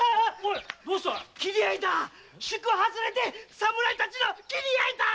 宿外れで侍たちの斬り合いだ！